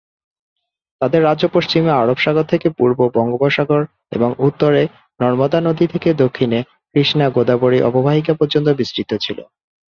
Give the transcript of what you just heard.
তাদের রাজ্য পশ্চিমে আরব সাগর থেকে পূর্ব বঙ্গোপসাগর এবং উত্তরে নর্মদা নদী থেকে দক্ষিণে কৃষ্ণা-গোদাবরী অববাহিকা পর্যন্ত বিস্তৃত ছিল।